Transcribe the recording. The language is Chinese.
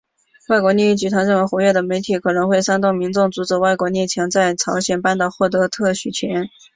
外国利益集团认为活跃的媒体可能会煽动民众阻止外国列强在朝鲜半岛获得特许权。